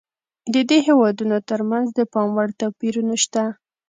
د دې هېوادونو ترمنځ د پاموړ توپیرونه شته.